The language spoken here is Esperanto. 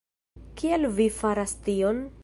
Kial vi faras tion?